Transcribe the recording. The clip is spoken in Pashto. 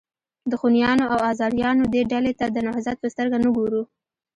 د خونیانو او آزاریانو دې ډلې ته د نهضت په سترګه نه ګورو.